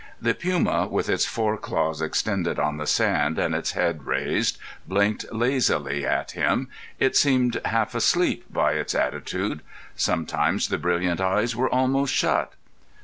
The puma, with its fore paws extended on the sand and its head raised, blinked lazily at him. It seemed half asleep by its attitude. Sometimes the brilliant eyes were almost shut.